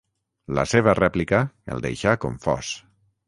La seva rèplica el deixà confós.